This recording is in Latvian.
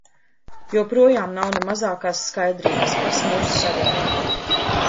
Joprojām nav ne mazākās skaidrības, kas mūs sagaida.